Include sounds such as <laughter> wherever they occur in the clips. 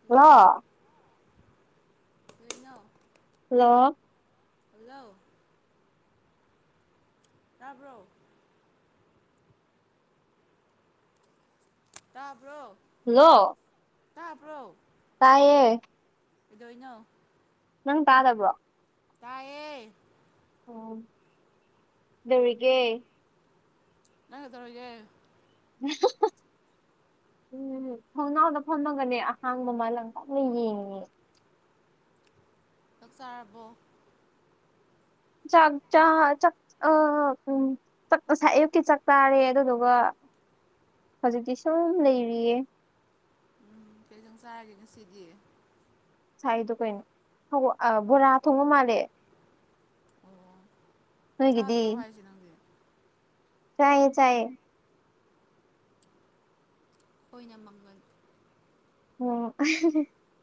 Hello ꯂꯣ <unintelligible> hello hello ꯇꯥꯕ꯭ꯔꯣ ꯇꯥꯕ꯭ꯔꯣ hello ꯇꯥꯕ꯭ꯔꯣ ꯇꯥꯏꯌꯦ ꯀꯩꯗꯣꯏꯅꯣ ꯅꯪ ꯇꯥꯗꯕꯔꫭ ꯇꯥꯏꯌꯦ ꯑꯣ ꯀꯩꯗꯧꯔꯤꯒꯦ ꯅꯪ <unintelligible> <unintelligible> ꯎꯝ ꯊꯣꯡꯅꯥꯎꯗ ꯐꯝꯃꯒꯅꯦ ꯑꯍꯥꯡ ꯃꯂꯥꯡ ꯀꯟꯅ ꯌꯦꯡꯉꯤ ꯆꯥꯛ ꯆꯥꯔꯕꯣ ꯆꯥꯛ ꯆꯥ ꯆꯥꯛ ꯑꯥ ꯎꯝ ꯉꯁꯥꯏ ꯑꯌꯨꯛꯀꯤ ꯆꯥꯛꯆꯥꯔꯦ ꯑꯗꯨꯗꯨꯒ ꯍꯧꯖꯤꯛꯇꯤ ꯁꯨꯝ ꯂꯩꯔꯤꯌꯦ ꯎꯝ ꯀꯩ ꯏꯟꯁꯥꯡ ꯆꯥꯔꯒꯦ ꯉꯁꯤꯗꯤ ꯉꯁꯥꯏꯗꯣ ꯀꯩꯅꯣ ꯕꯣꯔꯥ ꯊꯣꯡꯕ ꯃꯥꯜꯂꯦ ꯑꯣ ꯅꯣꯏꯒꯤꯗꯤ ꯆꯥꯗ꯭ꯔꯣ ꯍꯥꯏꯁꯦ ꯅꯪꯗꯤ ꯆꯥꯏꯌꯦ ꯆꯥꯏꯌꯦ ꯈꯣꯏꯅ ꯃꯪꯒꯜ ꯎꯝ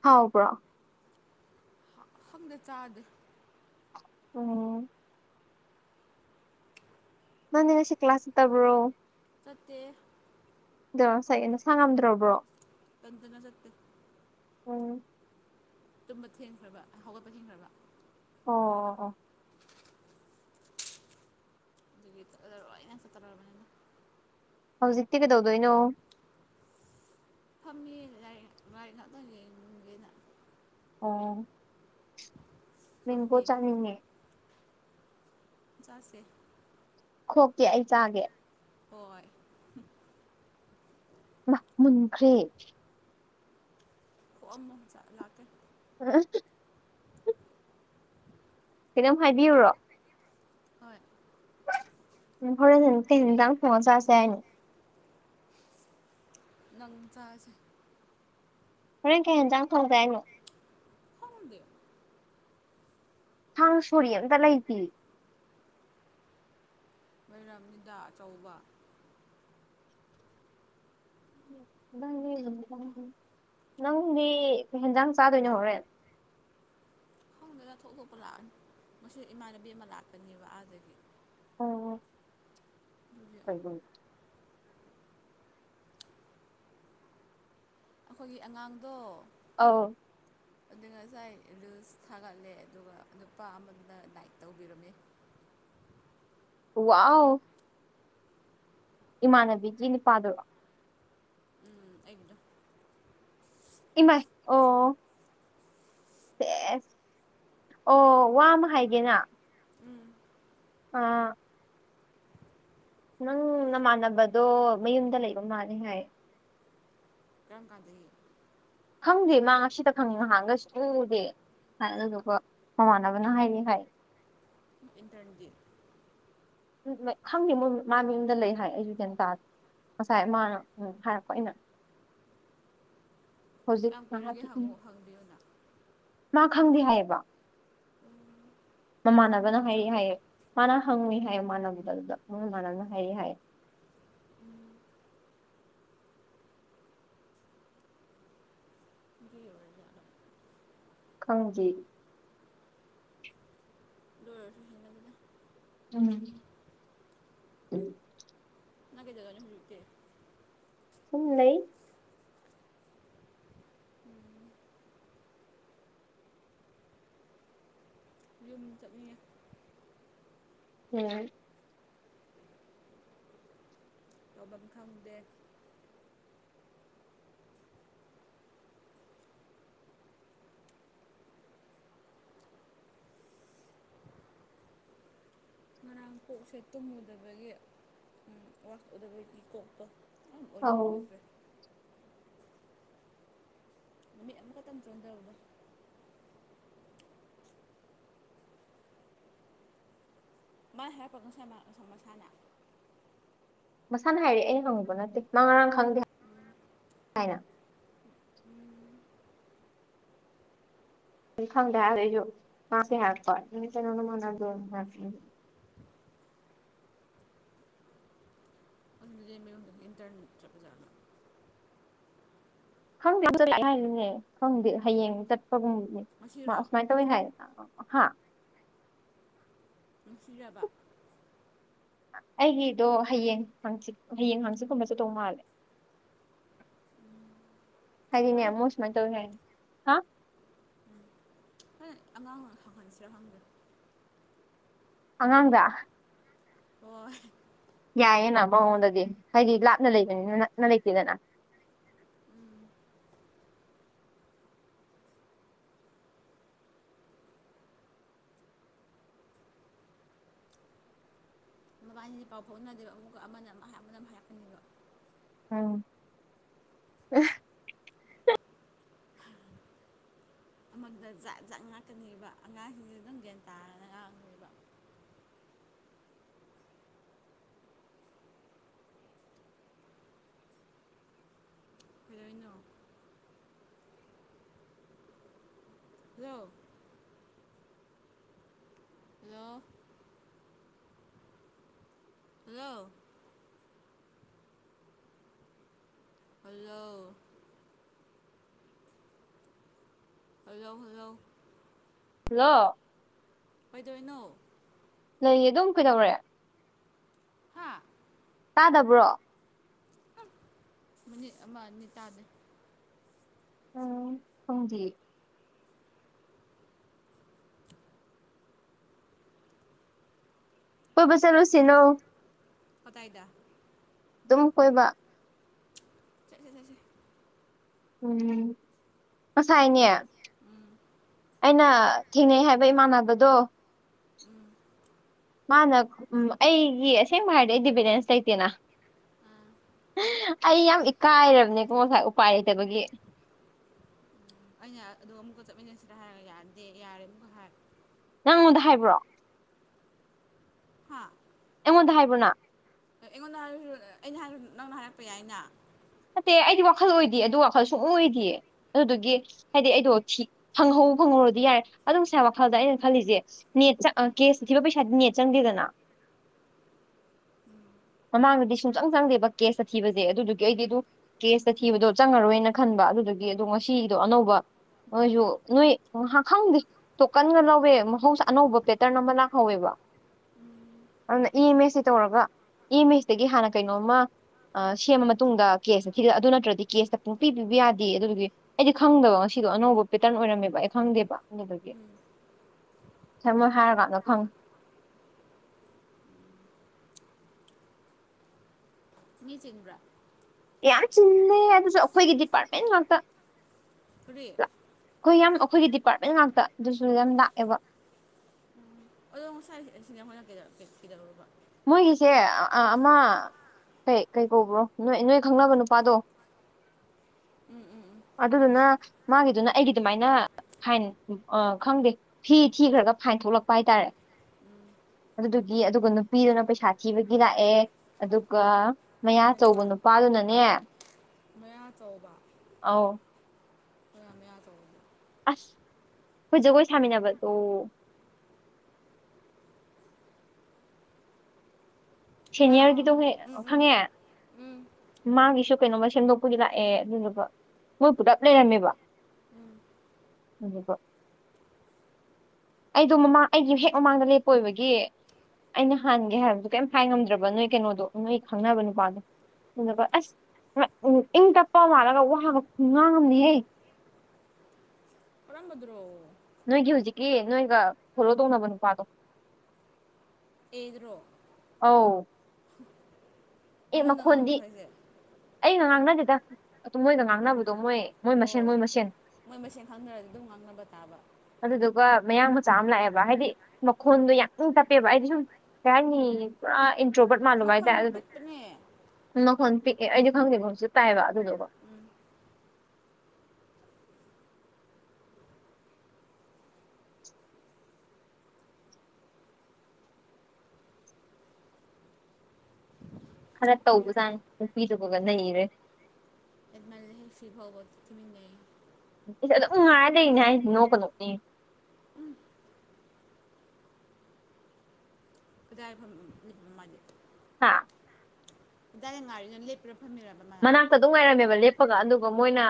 ꯍꯥꯎꯕ꯭ꯔꯣ ꯈꯪꯗꯦ ꯆꯥꯗꯦ ꯑꯣ ꯅꯪꯗꯤ ꯉꯁꯤ ꯀ꯭ꯂꯥꯁ ꯆꯠꯇꯕ꯭ꯔꯣ ꯆꯠꯇꯦ ꯑꯗꯣ ꯉꯁꯥꯏꯒꯤ ꯅꯁꯥ ꯉꯝꯗ꯭ꯔꯕ꯭ꯔꯣ ꯇꯟꯗꯅ ꯆꯠꯇꯦ ꯑꯣ ꯇꯨꯝꯕ ꯊꯦꯡꯈ꯭ꯔꯕ ꯍꯧꯒꯠꯄ ꯊꯦꯡꯈ꯭ꯔꯕ ꯑꯣ ꯑꯣ ꯑꯗꯨꯒꯤ ꯆꯠꯂꯣꯏꯅ ꯆꯠꯇꯔꯕꯅꯤ ꯍꯧꯖꯤꯛꯇꯤ ꯀꯩꯗꯧꯗꯣꯏꯅꯣ ꯐꯝꯃꯤ ꯂꯥꯏꯔꯤꯛ ꯂꯥꯏꯔꯤꯛ ꯉꯥꯛꯇꯪ ꯌꯦꯡꯒꯦꯅ ꯑꯣ ꯃꯦꯡꯒꯣ ꯅꯪꯗꯤ ꯆꯥꯅꯤꯡꯉꯦ꯫ ꯆꯥꯁꯦ ꯈꯣꯛꯀꯦ ꯑꯩ ꯆꯥꯒꯦ ꯍꯣꯏ ꯃꯨꯟꯈ꯭ꯔꯦ ꯈꯣꯛꯑꯝꯃꯣ ꯂꯥꯛꯀꯦ ꯍꯥ ꯀꯩꯅꯣꯝ ꯍꯥꯏꯕꯤꯌꯨꯔꯣ ꯍꯣꯏ ꯍꯣꯔꯦꯟ ꯅꯨꯡꯗꯥꯡꯗꯤ ꯀꯩ ꯊꯣꯡꯉꯥ ꯆꯥꯁꯦ ꯍꯥꯏꯅꯣ ꯅꯪ ꯆꯥꯁꯦ ꯍꯣꯔꯦꯟ ꯀꯩ ꯌꯦꯟꯖꯥꯡ ꯊꯣꯡꯗꯣꯏꯅꯣ ꯈꯪꯗꯦ ꯊꯥꯡ ꯁꯣꯔꯤ ꯑꯃꯇ ꯂꯩꯇꯦ ꯂꯩꯔꯝꯅꯤꯗ ꯑꯆꯧꯕ ꯅꯪꯒꯤ ꯅꯨꯃꯤ ꯅꯪꯗꯤ ꯍꯦꯟꯖꯥꯡ ꯆꯥꯗꯣꯏꯅꯣ ꯍꯣꯔꯦꯟ ꯈꯪꯗꯦꯗ ꯊꯣꯛ ꯇꯣꯛꯄ ꯂꯥꯛꯑꯅꯤ ꯉꯁꯤ ꯏꯃꯥꯟꯅꯕꯤ ꯑꯃ ꯂꯥꯛꯀꯅꯦꯕ ꯑꯥꯗꯒꯤ ꯑꯗꯨꯒꯤ ꯐꯩ ꯑꯩꯈꯣꯏꯒꯤ ꯑꯉꯥꯡꯗꯣ ꯑꯧ <inaudible> ꯑꯗꯨ ꯉꯁꯥꯏ ꯔꯤꯜꯁ ꯊꯥꯒꯠꯂꯦ ꯑꯗꯨꯒ ꯅꯨꯄꯥ ꯑꯃꯗꯨꯅ ꯂꯥꯏꯛ ꯇꯧꯕꯤꯔꯝꯃꯤ ꯋꯥꯎ ꯏꯃꯥꯟꯅꯕꯤꯒꯤ ꯅꯨꯄꯥꯗꯨꯔꯣ ꯎꯝ ꯑꯩꯒꯤꯗꯣ ꯏꯃꯥꯏ ꯑꯣ ꯁꯦꯁ ꯑꯣ ꯋꯥ ꯑꯃ ꯍꯥꯏꯒꯦꯅ ꯎꯝ ꯑꯥ ꯅꯪ ꯅꯃꯥꯟꯅꯕꯗꯣ ꯃꯌꯨꯝꯗ ꯂꯩꯕ ꯃꯥꯜꯂꯦ ꯍꯥꯏꯌꯦ ꯀꯔꯝꯀꯥꯟꯗꯒꯤ ꯈꯪꯗꯦ ꯃꯥ ꯉꯁꯤꯇ ꯈꯪꯉꯤ ꯅꯍꯥꯟꯒꯩ ꯁꯨꯡꯎ ꯎꯗꯦ ꯍꯥꯏ ꯑꯗꯨꯗꯨꯒ ꯃꯃꯥꯟꯅꯕꯅ ꯍꯥꯏꯅꯤ ꯍꯥꯏ ꯏꯟꯇꯔ꯭ꯟ ꯗꯤ ꯗꯨꯅꯦ ꯈꯪꯗꯦ ꯃꯣꯏ ꯃꯥꯖꯨ ꯌꯨꯝꯗ ꯂꯩ ꯍꯥꯏ ꯑꯩꯖꯨ ꯒꯌ꯭ꯥꯟ ꯇꯥꯗꯦ ꯉꯁꯥꯏ ꯃꯥꯅ ꯎꯝ ꯍꯥꯏꯔꯛꯄ ꯑꯩꯅ ꯍꯧꯖꯤꯛ ꯀꯌꯥꯝ ꯀꯨꯏꯔꯒꯦ ꯉꯥꯏꯍꯥꯛꯀꯤ ꯍꯪꯉꯣ ꯍꯪꯕꯤꯌꯨꯅ ꯃꯥ ꯈꯪꯗꯦ ꯍꯥꯏꯌꯦꯕ ꯎꯝ ꯄꯥꯎ ꯃꯃꯥꯟꯅꯕꯅ ꯐꯥꯎꯅꯗꯕ ꯍꯥꯏꯔꯛꯑꯦ ꯖꯥꯠꯂꯥ ꯍꯥꯏꯌꯦ ꯃꯥꯅ ꯍꯪꯉꯨꯏ ꯍꯥꯏꯌꯦ ꯃꯃꯥꯥꯟꯅꯕꯗ ꯑꯗꯨꯗ ꯃꯣꯏ ꯃꯃꯥꯟꯅꯕꯅ ꯍꯥꯏꯔꯛꯑꯦ ꯍꯥꯏꯌꯦ ꯎꯝ ꯑꯗꯨꯒꯤ ꯑꯣꯏꯔꯖꯥꯠꯂꯥ ꯈꯪꯖꯤ ꯂꯣꯏꯔꯁꯨ ꯎꯝ ꯅꯪ ꯀꯩꯗꯧꯋꯤꯅꯣ ꯍꯧꯖꯤꯛꯇꯤ ꯁꯨꯝ ꯂꯩ ꯎꯝ ꯌꯨꯝ ꯆꯠꯅꯤꯡꯉꯦ ꯎꯝ ꯇꯥꯕꯝ ꯈꯪꯗꯦ ꯉꯔꯥꯡ ꯀꯣꯛꯁꯦ ꯇꯨꯝꯃꯨꯗꯕꯒꯤ ꯎꯝ ꯋꯥꯥꯛꯎꯗꯕꯒꯤ ꯀꯣꯛꯇꯣ ꯌꯥꯝ ꯑꯣꯏꯂꯤ ꯑꯧ ꯑꯣꯏꯈꯔꯦ ꯅꯨꯃꯤꯠ ꯑꯃꯈꯠꯇꯪ ꯆꯣꯟꯗꯕꯗꯣ ꯃꯥꯥꯏ ꯍꯥꯏꯔꯛꯄꯒ ꯉꯁꯥꯏ ꯃꯥ ꯁꯃꯣꯁꯥꯅ ꯃꯁꯥꯅ ꯍꯥꯏꯔꯛꯑꯦ ꯑꯩꯩꯅ ꯍꯪꯉꯨꯕ ꯅꯠꯇꯦ ꯃ ꯉꯔꯥꯡ ꯈꯪꯗꯦ ꯍꯥꯏꯅ ꯈꯪꯗꯦ ꯍꯥꯏꯗ ꯑꯩꯖꯨ ꯃꯥ ꯉꯁꯤ ꯍꯥꯏꯔꯛꯀꯩꯅꯣꯅ ꯃ ꯑꯗꯨ ꯑꯗꯨꯗꯤ ꯃꯌꯨꯝꯗꯒꯤ ꯏꯟꯇꯔ꯭ꯟ ꯆꯠꯂꯖꯥꯠꯂꯣ ꯈꯪꯗꯦ ꯃꯥ ꯑꯗꯨ ꯆꯠꯂꯦ ꯍꯥꯏꯔꯤꯅꯦ ꯈꯪꯗꯦ ꯍꯌꯦꯡ ꯆꯠꯄꯒꯨꯝꯅꯦ ꯃꯥ ꯉꯁꯤꯔꯣ ꯑꯁꯨꯃꯥꯏ ꯇꯧꯋꯦ ꯍꯥꯢꯅ ꯍꯥ ꯅꯨꯡꯁꯤꯔꯕ ꯑꯩꯒꯤꯗꯣ ꯍꯌꯦꯡ ꯍꯪꯆꯤꯠ ꯍꯌꯦꯡ ꯍꯪꯆꯤꯠꯀꯨꯝꯕ ꯆꯠꯇꯧ ꯃꯥꯜꯂꯦ 'unintelligible' ꯍꯥꯏꯗꯤꯅꯦ ꯃꯣꯏ ꯁꯨꯃꯥꯏ ꯇꯧꯋꯦ ꯍꯥꯏꯌꯦ ꯍꯥ ꯍꯝ ꯑꯉꯥꯡ ꯑꯣꯏ ꯍꯪꯍꯟꯁꯤꯔꯥ ꯈꯪꯗꯦ ꯑꯉꯥꯡꯗꯥ ꯑꯣ ꯌꯥꯏꯌꯦꯅ ꯃꯉꯣꯟꯗꯗꯤ ꯍꯥꯏꯗꯤ ꯂꯥꯞꯅ ꯂꯩꯕꯅꯤꯅ ꯅꯛꯅ ꯂꯩꯇꯦꯗꯅ ꯃꯕꯥꯟꯅꯤꯗꯤ ꯄꯥꯎ ꯐꯥꯎꯅꯗꯦꯕ ꯑꯃꯨꯛꯀ ꯑꯃꯅ ꯑꯃ ꯍꯥꯏ ꯑꯃꯅ ꯑꯃ ꯍꯥꯏ ꯍꯥꯏꯔꯛꯀꯅꯤꯕ ꯎꯝ ꯑꯦ ꯑꯃꯗꯨꯅ ꯖꯥꯠ ꯖꯥꯠ ꯉꯥꯡꯀꯅꯦꯕ ꯑꯉꯥꯡꯁꯤꯡꯁꯦ ꯑꯗꯨꯝ ꯒ꯭ꯌꯥꯟ ꯇꯥꯔꯒ ꯉꯥꯡꯅꯦꯕ ꯀꯩꯗꯧꯋꯤꯅꯣ hello hello hello hello hello hello ꯂꯣ ꯀꯩꯗꯣꯏꯅꯣ ꯂꯩꯌꯦ ꯑꯗꯨꯝ ꯀꯩꯗꯧꯔꯦ ꯍꯥꯥ ꯇꯥꯗꯕ꯭ꯔꯣ ꯃꯤꯅꯤꯠ ꯑꯃ ꯑꯅꯤ ꯇꯥꯗꯦ ꯎꯝ ꯄꯨꯡꯗꯤ ꯀꯣꯏꯕ ꯆꯠ ꯂꯨꯁꯤꯔꯣ ꯀꯗꯥꯥꯏꯗ ꯑꯗꯨꯝ ꯀꯣꯏꯕ ꯆꯠꯁꯦ ꯆꯠꯁꯦ ꯎꯝ ꯉꯁꯥꯏꯅꯦ ꯎꯝ ꯑꯩꯅ ꯊꯦꯡꯅꯩ ꯍꯥꯏꯕ ꯏꯃꯥꯟꯅꯕꯗꯣ ꯎꯝ ꯃꯥꯅ ꯑꯩꯒꯤ ꯑꯁꯦꯡꯕ ꯍꯥꯏꯔꯗꯤ ꯑꯩꯗꯤ ꯕꯦꯂꯦꯟꯁ ꯂꯩꯇꯦꯅ ꯑꯥ ꯑꯩ ꯌꯥꯝ ꯏꯀꯥꯏꯔꯕꯅꯦꯀꯣ ꯎꯄꯥꯏ ꯂꯩꯇꯕꯒꯤ ꯑꯩꯅ ꯑꯗꯣ ꯑꯃꯨꯛꯀ ꯆꯠꯃꯤꯟꯅꯁꯤꯗ ꯍꯥꯏꯔꯒ ꯌꯥꯗꯦ ꯌꯥꯔꯦ ꯑꯃꯨꯛꯀ ꯍꯥꯏ ꯅꯪꯉꯣꯟꯗ ꯍꯥꯏꯕ꯭ꯔꯣ ꯍꯥꯥ ꯑꯩꯉꯣꯟꯗ ꯍꯥꯏꯕꯔꯣ ꯍ ꯑꯩꯉꯣꯟꯗ <unintelligible> ꯑꯩꯅ ꯍꯥꯏꯗꯔ꯭ꯁꯨ ꯅꯪꯅ ꯍꯥꯏꯔꯛꯄ ꯌꯥꯏꯅ ꯅꯠꯇꯦ ꯑꯩꯗꯤ ꯋꯥꯈꯜ ꯑꯣꯏꯗꯦ ꯑꯗꯨ ꯋꯥꯈꯜ ꯁꯨꯡ ꯑꯣꯏ ꯑꯣꯏꯗꯤꯌꯦ ꯑꯗꯨꯗꯨꯒꯤ ꯍꯥꯏꯗꯤ ꯑꯩꯗꯣ ꯊꯤ ꯐꯪꯕꯨ ꯐꯪꯍꯧꯔꯗꯤ ꯌꯥꯔꯦ ꯑꯗꯨ ꯉꯁꯥꯏ ꯋꯥꯈꯜꯗ ꯑꯩꯅ ꯈꯜꯂꯤꯁꯦ ꯅꯦꯠꯆ ꯀꯦꯁꯇ ꯊꯤꯕ ꯄꯩꯁꯥꯗꯤ ꯅꯦꯠ ꯆꯪꯗꯦꯗꯅ <inaudible> ꯃꯃꯥꯡꯗꯗꯤ ꯁꯨꯡꯆꯪ ꯆꯪꯗꯦꯕ ꯀꯦꯁ ꯊꯤꯕꯁꯦ ꯑꯗꯨꯗꯨꯒꯤ ꯑꯩꯗꯤ ꯀꯦꯁꯇ ꯊꯤꯕꯗꯣ ꯆꯪꯉꯔꯣꯏꯅ ꯈꯟꯕ ꯑꯗꯨꯗꯒꯤ ꯑꯗꯣ ꯉꯁꯤꯗꯣ ꯑꯅꯧꯕ ꯃꯣꯏꯁꯨ ꯅꯣꯏ ꯉꯍꯥꯛ ꯈꯪꯗꯦ ꯇꯣꯀꯟꯒ ꯂꯧꯋꯦ ꯃꯍꯧꯁꯥ ꯑꯅꯧꯕ ꯄꯦꯇꯔꯟ ꯑꯃ ꯂꯥꯛꯍꯧꯋꯦꯕ ꯎꯝ ꯑꯗꯨꯅ ꯏ ꯃꯁꯇꯩ ꯇꯧꯔꯒ ꯏ ꯃꯁꯇꯒꯤ ꯍꯥꯟꯅ ꯀꯩꯅꯣꯝꯃ ꯑ ꯁꯦꯝꯃ ꯃꯇꯨꯡꯗ ꯀꯦꯁꯇ ꯊꯤꯗ ꯑꯗꯨ ꯅꯠꯇ꯭ꯔꯗꯤ ꯀꯦꯁꯇ ꯄꯨꯡꯄꯤ ꯄꯤꯕ ꯌꯥꯗꯦꯌꯦ ꯑꯗꯨꯗꯨꯒꯤ ꯑꯩꯗꯤ ꯈꯪꯗꯕ ꯉꯁꯤꯗꯣ ꯑꯅꯧꯕ ꯄꯦꯇꯔꯟ ꯑꯣꯏꯔꯝꯃꯦꯕ ꯑꯩ ꯈꯪꯗꯦꯕ ꯑꯗꯨꯗꯒꯤ ꯎꯝ ꯁꯝꯃꯥꯏ ꯍꯥꯏꯔꯀꯥꯟꯗ ꯈꯥꯪ ꯃꯤ ꯆꯤꯡꯕ꯭ꯔꯥ ꯌꯥꯝ ꯆꯤꯜꯂꯦ ꯑꯗꯨꯁꯨ ꯑꯩꯈꯣꯏꯒꯤ ꯗꯤꯄꯥꯔꯠꯃꯦꯟ ꯉꯥꯛꯇ ꯀꯔꯤ ꯑꯩꯈꯣꯏ ꯌꯥꯝ ꯑꯩꯈꯣꯏꯒꯤ ꯗꯤꯄꯥꯔꯠꯃꯦꯟ ꯉꯥꯛꯇ ꯑꯗꯨꯁꯨ ꯌꯥꯝ ꯂꯥꯛꯑꯦꯕ <unintelligible> ꯀꯩꯗꯧ ꯀꯩꯗꯧꯔꯨꯕ ꯃꯣꯏꯒꯤꯁꯦ ꯑ ꯑꯃ ꯀꯩ ꯀꯩ ꯀꯧꯕ꯭ꯔꯣ ꯅꯣꯏ ꯅꯣꯏ ꯈꯪꯅꯕ ꯅꯨꯄꯥꯗꯣ ꯎꯝ ꯎꯝ ꯑꯗꯨꯗꯨꯅ ꯃꯥꯒꯤꯗꯨꯅ ꯑꯩꯒꯤ ꯑꯗꯨꯃꯥꯏꯅ ꯐꯥꯏꯟ ꯑ ꯈꯪꯗꯦ ꯐꯤ ꯊꯤꯈ꯭ꯔꯒ ꯐꯥꯏꯟ ꯊꯣꯛꯂꯛꯄ ꯍꯥꯏꯇꯥꯔꯦ ꯑꯗꯨꯗꯨꯒꯤ ꯑꯗꯨꯒ ꯅꯨꯄꯤꯗꯨꯅ ꯄꯩꯁꯥ ꯊꯤꯕꯒꯤ ꯂꯥꯛꯑꯦ ꯑꯗꯨꯒ ꯃꯌꯥ ꯃꯣꯏ ꯑꯆꯧꯕ <unintelligible> ꯅꯨꯄꯥꯗꯨꯅꯅꯦ ꯃꯌꯥꯆꯧꯕ ꯑꯥꯎ ꯃꯌꯥꯆꯧꯕ ꯑꯁ ꯑꯩꯈꯣꯏ ꯖꯒꯣꯏ ꯁꯥꯃꯤꯟꯅꯕ ꯗꯣ ꯑꯥ ꯑꯥ ꯁꯦꯅꯤꯌꯔꯒꯤꯗꯣ ꯑꯥ ꯍꯦ ꯎꯝ ꯎꯝ ꯈꯪꯉꯦ ꯎꯝ ꯃꯥꯒꯤꯁꯨ ꯀꯩꯅꯣꯝꯃ ꯁꯦꯝꯗꯣꯛꯄꯒꯤ ꯂꯥꯛꯑꯦ ꯑꯗꯨꯗꯨꯒ ꯃꯣꯏ ꯄꯨꯂꯞ ꯂꯩꯔꯝꯃꯦꯕ ꯎꯝ ꯑꯩꯗꯣ ꯃꯃꯥꯡ ꯑꯩꯒꯤ ꯍꯦꯛ ꯃꯃꯥꯡꯗ ꯂꯦꯞꯄ ꯑꯣꯏꯕꯒꯤ ꯑꯩꯅ ꯍꯥꯟꯒꯦ ꯍꯥꯏꯕꯗꯨ ꯀꯩꯝ ꯍꯥꯏ ꯉꯝꯗ꯭ꯔꯕ ꯅꯣꯏ ꯀꯩꯅꯣꯗꯣ ꯅꯣꯏ ꯈꯪꯅꯕ ꯅꯨꯄꯥꯗꯣ ꯑꯗꯨꯗꯨꯒ ꯑꯁ ꯏꯪ ꯇꯞꯄ ꯃꯥꯜꯂꯒ ꯋꯥꯒ ꯈꯨꯉꯥꯡꯑꯝꯅꯤꯍꯦ ꯀꯔꯝꯕꯗꯨꯔꯣ ꯅꯣꯏꯒꯤ ꯍꯧꯖꯤꯛꯀꯤ ꯅꯣꯏꯒ ꯐꯣꯂꯣ ꯇꯧꯅꯕ ꯅꯨꯄꯥꯗꯣ ꯑꯦꯗꯔꯣ ꯑꯧ ꯑꯦ ꯅꯪꯉꯣꯟꯗ ꯃꯈꯣꯟꯗꯤ ꯉꯥꯡꯕ꯭ꯔꯣ ꯍꯥꯏꯁꯦ ꯑꯩꯒ ꯉꯥꯡꯅꯗꯦꯗ ꯑꯗꯨ ꯃꯣꯏꯒ ꯑꯣ ꯉꯥꯡꯅꯕꯗꯣ ꯃꯣꯏ ꯃꯣꯏ ꯃꯁꯦꯟ ꯑꯣ ꯃꯣꯏ ꯃꯁꯦꯟ ꯃꯣꯏ ꯃꯁꯦꯟ ꯈꯪꯅꯔꯗꯤ ꯑꯗꯨꯝ ꯉꯥꯡꯅꯕ ꯇꯥꯕ ꯑꯗꯨꯗꯨꯒ ꯃꯌꯥꯡ ꯃꯆꯥ ꯑꯃ ꯂꯥꯛꯑꯦꯕ ꯍꯥꯏꯗꯤ ꯃꯈꯣꯟꯗꯣ ꯌꯥꯝ ꯢꯡ ꯇꯞꯄꯦꯕ ꯑꯩꯗꯤ ꯁꯨꯝ ꯀꯩ ꯍꯥꯏꯅꯤ ꯄꯨꯔꯥ ꯏꯟꯇ꯭ꯔꯣꯕꯠ ꯃꯥꯂꯨꯕ ꯍꯥꯏꯇ ꯃꯈꯣꯟ ꯑꯗꯨꯗꯣ ꯄꯤꯛꯄꯅꯦ ꯃꯈꯣꯟ ꯄꯤꯛꯑꯦ ꯑꯩꯗꯤ ꯈꯪꯗꯦꯕꯣꯁꯨ ꯇꯥꯏꯌꯦꯕ ꯑꯗꯨꯗꯨꯒ ꯎꯝ ꯈꯔ ꯍꯩꯁꯥ ꯇꯧꯕꯖꯥꯠꯅꯤ ꯅꯨꯄꯤꯗꯨꯕꯒ ꯅꯩꯔꯦ ꯍꯦꯟꯃꯜꯂꯦꯍꯦ ꯁꯤꯐꯥꯎꯕ ꯇꯨꯃꯤꯟꯅꯩ ꯏꯁ ꯑꯗꯨꯝ ꯉꯥꯏꯔ ꯂꯩꯔꯤꯅꯦ ꯍꯥꯏ ꯅꯣꯛ ꯀ ꯅꯣꯛꯅꯦ ꯀꯗꯥꯏ <unintelligible> ꯃꯥꯅꯤ ꯍꯥꯥ <unintelligible> ꯂꯦꯞꯄꯤꯔ ꯐꯝꯃꯤꯔꯝꯃꯦ ꯃꯅꯥꯛꯇ ꯑꯗꯨꯝ ꯉꯥꯏꯔꯝꯃꯦꯕ ꯂꯦꯞꯄꯒ ꯑꯗꯨꯒ ꯃꯣꯏꯅ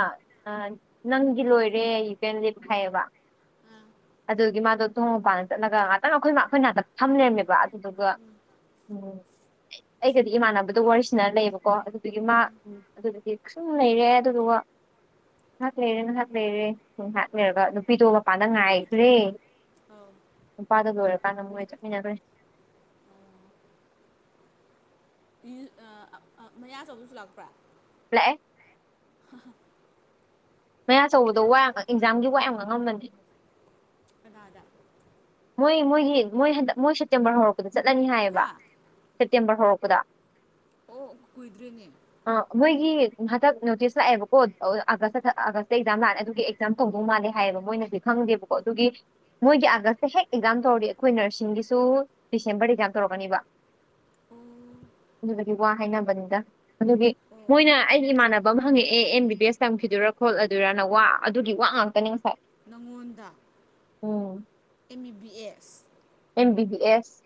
ꯑ ꯅꯪꯒꯤ ꯂꯣꯏꯔꯦ ꯌꯨ ꯀꯦꯟ ꯂꯤꯞ ꯍꯥꯢꯌꯦꯕ ꯑꯥ ꯑꯗꯨꯒꯤ ꯃꯥꯗꯣ ꯊꯣꯡ ꯃꯄꯥꯟ ꯆꯠꯂꯒ ꯉꯥꯛꯇꯪ ꯑꯩꯈꯣꯏ ꯑꯩꯈꯣꯏ ꯅꯥꯥꯛꯇ ꯐꯝ ꯂꯩꯔꯝꯃꯦꯕ ꯑꯗꯨꯗꯨꯒ ꯎꯝ ꯎꯝ ꯑꯩꯒꯗꯤ ꯏꯃꯥꯟꯅꯕꯗꯣ ꯋꯥꯔꯤꯁꯤꯅ ꯂꯩꯌꯦꯕꯀꯣ ꯑꯗꯨꯗꯨꯒꯤ ꯃꯥ ꯎꯝ ꯑꯗꯨꯗꯨꯒꯤ ꯁꯨꯝ ꯂꯩꯔꯦ ꯑꯗꯨꯒ ꯋꯥ ꯉꯥꯏꯍꯥꯛ ꯂꯩꯔꯦ ꯉꯥꯏꯍꯥꯛ ꯂꯩꯔꯦ ꯉꯥꯏꯍꯥꯛ ꯂꯩꯔꯒ ꯅꯨꯄꯤꯗꯣ ꯃꯄꯥꯟꯗ ꯉꯥꯏꯒ꯭ꯔꯦ ꯑꯧ ꯅꯨꯄꯥꯗ ꯂꯣꯏꯔꯀꯥꯟꯗ ꯃꯣꯏ ꯆꯠꯃꯤꯟꯅꯒ꯭ꯔꯦ ꯑꯣ ꯏ ꯑꯥ ꯑꯥ ꯑꯥ ꯃꯌꯥ ꯆꯧꯕꯁꯨ ꯂꯥꯛꯄ꯭ꯔꯥ ꯄ꯭ꯂꯦꯛ ꯑꯦ ꯃꯌꯥ ꯆꯧꯕꯗꯣ ꯋꯥ ꯑꯦꯛꯖꯥꯝꯒꯤ ꯋꯥ ꯌꯥꯝ ꯉꯥꯡ ꯉꯝꯕꯅꯦ ꯀꯅꯥꯗ ꯃꯣꯏ ꯃꯣꯏꯒꯤ ꯃꯣꯏ ꯍꯟꯗꯛ ꯃꯣꯏ ꯁꯦꯞꯇꯦꯝꯕꯔ ꯍꯧꯔꯛꯄꯗ ꯆꯠꯂꯅꯤ ꯍꯥꯏꯌꯦꯕ ꯍꯥ ꯁꯦꯞꯇꯦꯝꯕꯔ ꯍꯧꯔꯛꯄꯗ ꯑꯣ ꯀꯨꯏꯗ꯭ꯔꯦꯅꯦ ꯑ ꯃꯣꯏꯒꯤ ꯍꯟꯇꯛ ꯅꯣꯇꯤꯁ ꯂꯥꯛꯑꯦꯕꯀꯣ ꯑꯥꯒꯁꯇ ꯑꯥꯒꯁꯇ ꯑꯦꯛꯖꯥꯝ ꯂꯥꯛꯑꯦ ꯑꯗꯨꯒꯤ ꯖꯥꯝ ꯇꯧꯗꯣꯡ ꯃꯥꯜꯂꯦ ꯍꯥꯏꯌꯦꯕ ꯃꯣꯏꯅꯗꯤ ꯈꯪꯗꯦꯕꯀꯣ ꯑꯗꯨꯒꯤ ꯃꯣꯏꯒꯤ ꯑꯥꯒꯁ ꯍꯦꯛ ꯑꯦꯛꯖꯥꯝ ꯇꯧꯔꯗꯤ ꯑꯩꯈꯣꯏ ꯅꯔꯁꯤꯡꯒꯤꯁꯨ ꯗꯤꯁꯦꯝꯕꯔ ꯑꯦꯛꯖꯥꯝ ꯇꯧꯔꯛꯀꯅꯤꯕ ꯎꯝ ꯑꯗꯨꯗꯨꯒꯤ ꯋꯥ ꯍꯥꯏꯅꯕꯅꯤꯗ ꯑꯗꯨꯒꯤ ꯃꯣꯏꯅ ꯑꯩꯒꯤ ꯏꯃꯥꯟꯅꯕ ꯑꯃ ꯍꯪꯉꯛꯑꯦ ꯑꯦꯝ ꯕꯤ ꯕꯤ ꯑꯦꯁ ꯇꯝꯈꯤꯗꯣꯏꯔꯥ ꯈꯣꯠꯂꯗꯣꯏꯔꯅ ꯋꯥ ꯑꯗꯨꯒꯤ ꯋꯥ ꯉꯥꯛꯇꯅꯤ ꯍ ꯅꯪꯉꯣꯟꯗ ꯎꯝ ꯑꯦꯝ ꯃꯤ B S M B B S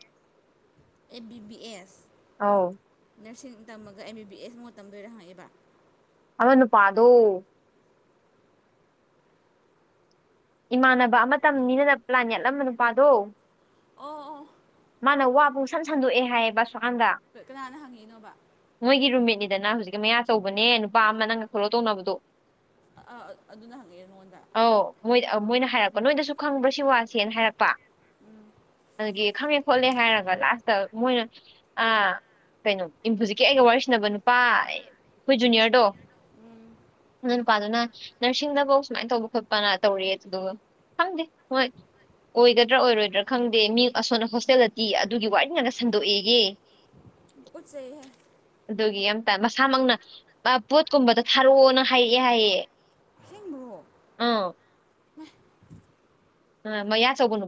ꯑꯦ ꯕꯤ ꯕꯤ ꯑꯦꯁ ꯑꯧ ꯅꯔꯁꯤꯡ ꯇꯝꯃꯒ ꯑꯦꯝ ꯕꯤ ꯕꯤ ꯑꯦꯁ ꯃꯣ ꯇꯝꯗꯣꯏꯔ ꯍꯪꯉꯩꯕ ꯑꯃ ꯅꯨꯄꯥꯗꯣ ꯏꯃꯥꯟꯅꯕ ꯑꯃꯇꯝꯅꯤꯗꯅ ꯄ꯭ꯂꯥꯟ ꯌꯦꯠꯂꯝꯕ ꯅꯨꯄꯥꯗꯣ ꯑꯣ ꯃꯥꯅ ꯋꯥ ꯄꯨꯡꯁꯟ ꯁꯟꯗꯣꯛꯑꯦ ꯍꯥꯏꯌꯦꯕ ꯁꯨꯋꯥꯟꯗ ꯀꯥ ꯀꯅꯥꯅ ꯍꯪꯉꯛꯏꯅꯣꯕ ꯃꯣꯏꯒꯤ ꯔꯨꯃꯤꯠꯅꯤꯗꯅ ꯍꯧꯖꯤꯛꯀꯤ ꯃꯌꯥ ꯆꯧꯕꯅꯦ ꯅꯨꯄꯥ ꯑꯃ ꯅꯪꯒ ꯐꯣꯂꯣ ꯇꯧꯅꯕꯗꯣ ꯑ ꯑꯥ ꯑꯗꯨꯅ ꯍꯪꯉꯛꯑꯦ ꯅꯉꯣꯟꯗ ꯑꯧ ꯃꯣꯏ ꯃꯣꯏꯅ ꯍꯥꯏꯔꯛꯄ ꯅꯣꯏꯗꯁꯨ ꯈꯪꯕ꯭ꯔꯥ ꯁꯤ ꯋꯥꯁꯦꯅ ꯍꯥꯏꯔꯛꯄ ꯎꯝ ꯑꯒꯤ ꯈꯪꯉꯦ ꯈꯣꯠꯂꯦ ꯍꯥꯏꯔꯒ ꯂꯥꯁꯇ ꯃꯣꯏꯅ ꯑꯥ ꯀꯩꯅꯣ ꯏꯝꯐ ꯍꯧꯖꯤꯛꯀꯤ ꯑꯩꯒ ꯋꯥꯔꯤ ꯁꯟꯅꯅꯕ ꯅꯨꯄꯥ ꯑꯩꯈꯣꯏ ꯖꯨꯅꯤꯌꯔꯗꯣ ꯎꯝ ꯅꯪ ꯅꯨꯄꯥꯗꯨꯅ ꯅꯔꯁꯤꯡꯗꯐꯧ ꯁꯨꯃꯥꯏ ꯇꯧꯕ ꯈꯣꯠꯄꯅ ꯇꯧꯔꯤꯦ ꯑꯗꯨꯗꯨꯒ ꯈꯪꯗꯦ ꯍꯣꯏ ꯑꯣꯏꯒꯗ꯭ꯔꯥ ꯑꯣꯏꯔꯣꯏꯗ꯭ꯔꯥ ꯈꯪꯗꯦ ꯃꯤ ꯑꯁꯣꯟꯅ ꯍꯣꯁꯇꯦꯜꯗꯗꯤ ꯑꯗꯨꯒꯤ ꯋꯥꯔꯤꯅꯤꯡꯉꯒ ꯁꯟꯗꯣꯛꯑꯦꯒ ꯠ ꯁꯦ ꯍꯥꯏ ꯑꯗꯨꯒꯤ ꯑꯇ ꯃꯁꯥꯃꯛꯅ ꯄꯣꯠꯀꯨꯝꯕꯗ ꯊꯥꯔꯛꯑꯣꯅ ꯍꯥꯏꯔꯛꯑꯦ ꯍꯥꯏꯌꯦꯦ ꯕ꯭ꯔꯣ ꯑ ꯑ ꯃ ꯌꯥ ꯁꯒꯅ